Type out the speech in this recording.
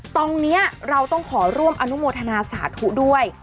ตรงนี้เราต้องขอร่วมอนุโมทนาสาธุด้วย